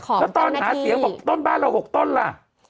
แล้วตอนหาเสียงบอกต้นบ้านเรา๖ต้นล่ะ